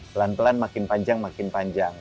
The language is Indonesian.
pelan pelan makin panjang makin panjang